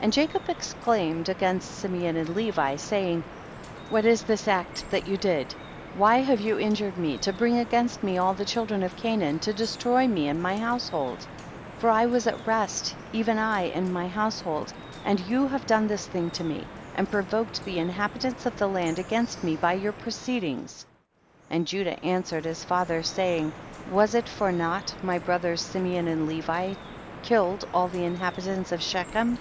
51. And Jacob exclaimed against Simeon and Levi, saying, what is this act that you did ? why have you injured me, to bring against me all the children of Canaan to destroy me and my household ? for I was at rest, even I and mv household, and you have done this thing to me, and provoked the inhabitants of the land against me by your proceedings. 52. And Judah answered his fa ther, saying, was it for nought my brothers Simeon and Levi killed all the inhabitants of Shechem